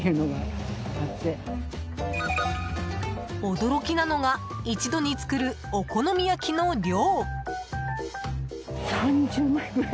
驚きなのが一度に作るお好み焼きの量。